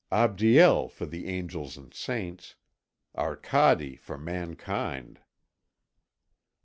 "Abdiel for the angels and saints, Arcade for mankind."